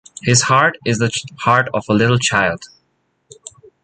His heart is the heart of a little child.